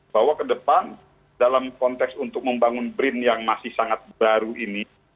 bahwa ke depan dalam konteks untuk membangun brin yang masih sangat baru ini